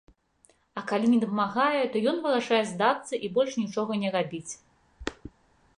А калі не дапамагае, то ён вырашае здацца і больш нічога не рабіць.